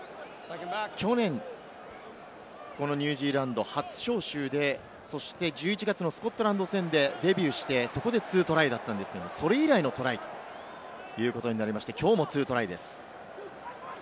去年、このニュージーランド初招集で、１１月のスコットランド戦でデビューして、そこで２トライだったんですが、それ以来のトライということになりまして、きょうも２トライです。